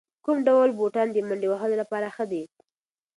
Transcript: کوم ډول بوټان د منډې وهلو لپاره ښه دي؟